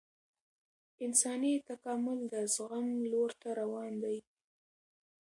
انساني تکامل د زغم لور ته روان دی